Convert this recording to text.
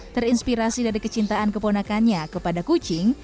terinspirasi dari kecintaan keponakannya kepada kucing